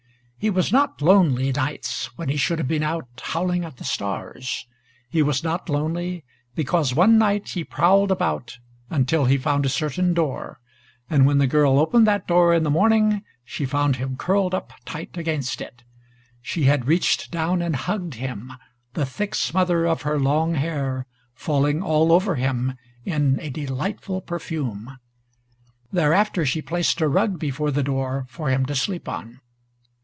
He was not lonely, nights, when he should have been out howling at the stars. He was not lonely, because one night he prowled about until he found a certain door, and when the girl opened that door in the morning she found him curled up tight against it. She had reached down and hugged him, the thick smother of her long hair falling all over him in a delightful perfume; thereafter she placed a rug before the door for him to sleep on.